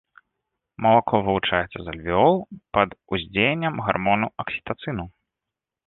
Малако вылучаецца з альвеол пад уздзеяннем гармону аксітацыну.